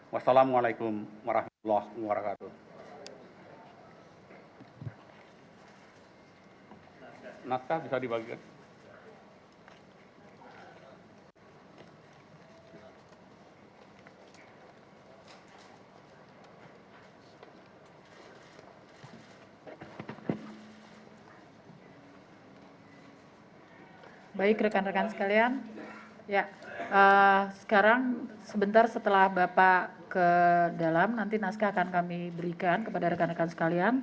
wassalamu'alaikum warahmatullahi wabarakatuh